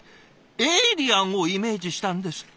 エイリアンをイメージしたんですって。